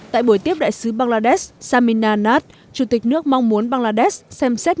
tại buổi tiếp đại sứ bangladesh sami nanat chủ tịch nước mong muốn bangladesh xem xét